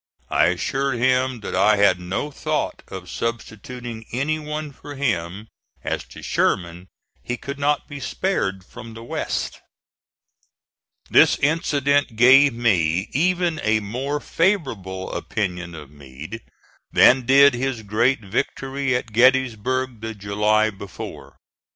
I assured him that I had no thought of substituting any one for him. As to Sherman, he could not be spared from the West. This incident gave me even a more favorable opinion of Meade than did his great victory at Gettysburg the July before.